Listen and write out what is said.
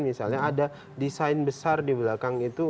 misalnya ada desain besar di belakang itu